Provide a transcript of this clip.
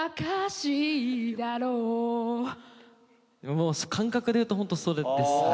もう感覚でいうとホントそれです。